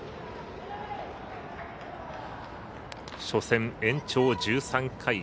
初戦、延長１３回